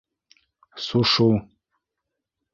- Сушу.